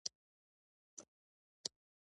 عجیبه ده له یوې خوا اطمینان راکوي.